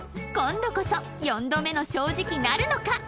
今度こそ四度目の正直なるのか！？